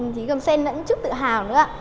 chỉ cần xem nữa cũng chút tự hào nữa